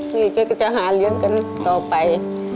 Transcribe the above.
นี่แกก็จะหาเลี้ยงกันต่อไป